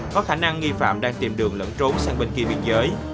có khả năng nghi phạm đang tìm đường lẫn trốn sang bên kia biên giới